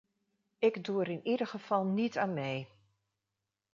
Ik doe er in ieder geval niet aan mee.